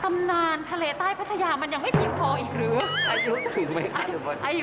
อายุถูกไหมครับหรือเปล่า